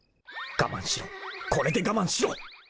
［我慢しろこれで我慢しろ！］